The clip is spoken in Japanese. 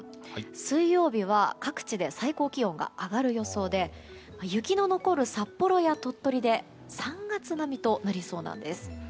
水曜日は各地で最高気温が上がる予想で雪の残る札幌や鳥取で３月並みとなりそうなんです。